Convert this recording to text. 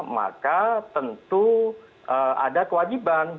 maka tentu ada kewajiban